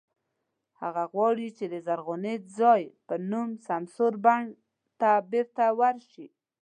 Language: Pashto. هغه غواړي چې د "زرغون ځای" په نوم سمسور بڼ ته بېرته ورشي.